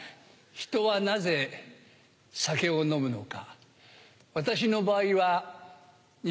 人はなぜ酒を飲むのか？